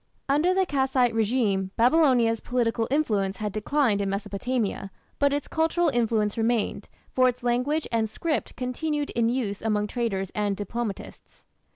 Under the Kassite regime Babylonia's political influence had declined in Mesopotamia, but its cultural influence remained, for its language and script continued in use among traders and diplomatists.